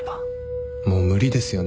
もう無理ですよね。